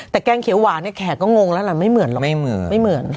แต่แกงเขียวหวานเนี่ยแขกก็งงแล้วล่ะไม่เหมือนหรอกไม่เหมือน